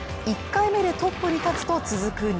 １回目でトップに立つと続く